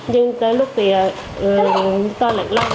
nhưng tới lúc thì tôi lại lo